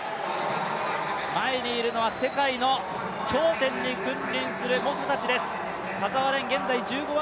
前にいるのは世界の頂点に君臨する猛者たちです。